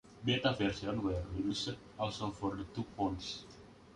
Beta versions were released also for the two phones.